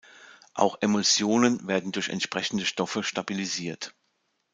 Auch Emulsionen werden durch entsprechende Stoffe stabilisiert.